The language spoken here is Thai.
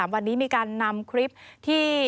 วันนี้มีการนำคลิปที่